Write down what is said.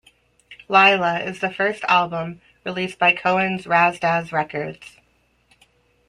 "Lyla" is the first album released by Cohen's Razdaz Recordz.